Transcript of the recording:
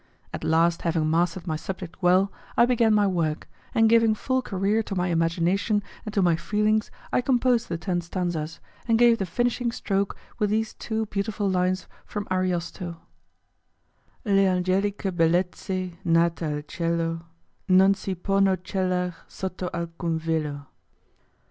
At last having mastered my subject well, I began my work, and giving full career to my imagination and to my feelings I composed the ten stanzas, and gave the finishing stroke with these two beautiful lines from Ariosto: Le angelicche bellezze nate al cielo Non si ponno celar sotto alcum velo.